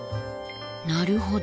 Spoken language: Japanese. なるほど。